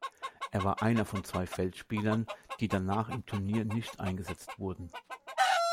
Er war einer von zwei Feldspielern, die danach im Turnier nicht eingesetzt wurden.